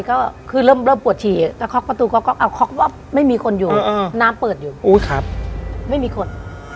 ก็คือเริ่มปวดฉี่ก็คลอกประตูไม่มีคนอยู่น้ำเปิดอยู่ไม่มีคน